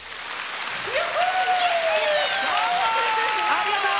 ありがとう。